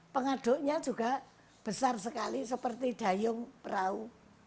pengaduknya juga besar sekali seperti dayung perahu